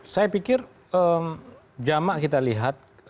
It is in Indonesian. saya pikir jamak kita lihat